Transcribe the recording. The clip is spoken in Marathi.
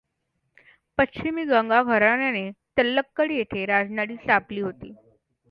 पश्चिमी गंगा घराण्याने तलक्कड येथे राजधानी स्थापली होती.